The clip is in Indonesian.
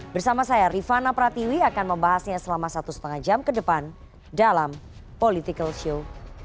bersama saya rifana pratiwi akan membahasnya selama satu lima jam ke depan dalam political show